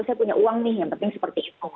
saya punya uang nih yang penting seperti itu